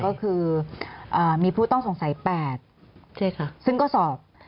ก็คือมีผู้ต้องสงสัย๘ซึ่งก็สอบ